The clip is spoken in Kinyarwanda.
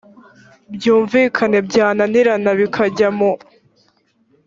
bwumvikane byananirana bikajya mu